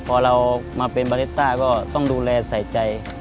พอเรามาเป็นบาเลต้าก็ต้องดูแลใส่ใจ